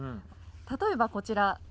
例えばこちら。